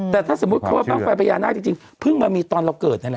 แต่ถ้าสมมติเขาบ้างไฟประยาณาคพึ่งมามีเมื่อเราเกิด